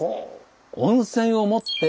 温泉をもって。